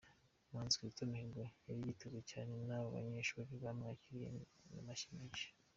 Umuhanzi Kizito Mihigo yari yitezwe cyane n’abo banyeshuri bamwakiriye n’amashyi menshi.